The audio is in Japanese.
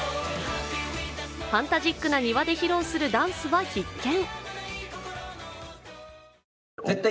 ファンタジックな庭で披露するダンスは必見。